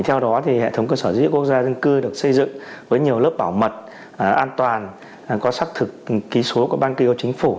theo đó thì hệ thống cơ sở dữ liệu quốc gia về dân cư được xây dựng với nhiều lớp bảo mật an toàn có xác thực ký số của ban kiều chính phủ